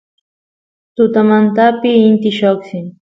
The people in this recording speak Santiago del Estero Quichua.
tutamantapi inti lloqsin